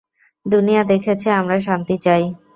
দুনিয়া দেখেছে আমরা শান্তি চাই।